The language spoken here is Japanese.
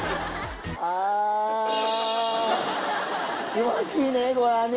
気持ちいいねこらぁね。